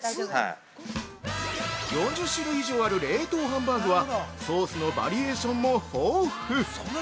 ◆４０種類以上ある冷凍ハンハーグはソースのバリエーションも豊富。